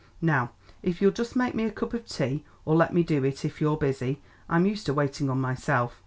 Now if you'll just make me a cup of tea or let me do it if you're busy; I'm used to waiting on myself.